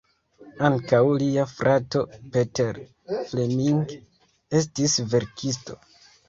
Ankaŭ lia frato Peter Fleming estis verkisto.